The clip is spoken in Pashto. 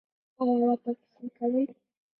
ایا ورته کیسې کوئ؟